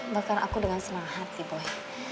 bahkan aku dengan senang hati boy